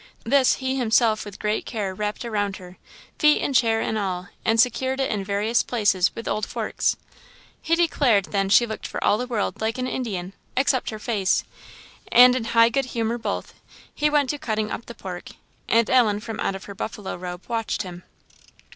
This he himself with great care wrapped round her, feet and chair and all, and secured it in various places with old forks. He declared then she looked for all the world like an Indian, except her face; and, in high good humour both, he went to cutting up the pork, and Ellen from out of her buffalo robe watched him.